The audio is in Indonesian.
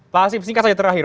pak asip singkat saja terakhir